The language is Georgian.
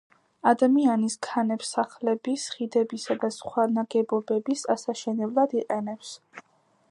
ადამიანის ქანებს სახლების, ხიდებისა და სხვა ნაგებობების ასაშენებლად იყენებს